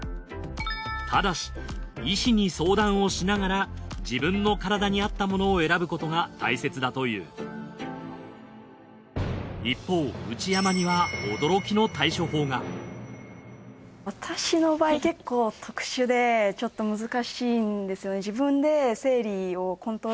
ただし医師に相談をしながら自分の体に合ったものを選ぶことが大切だという一方内山には私の場合結構特殊でちょっと難しいんですよね。